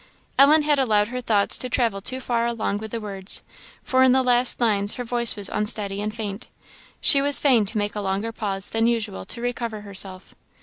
Ellen had allowed her thoughts to travel too far along with the words, for in the last lines her voice was unsteady and faint. She was fain to make a longer pause than usual to recover herself.